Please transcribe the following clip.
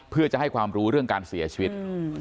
เพื่อจะให้ความรู้เรื่องการเสียชีวิต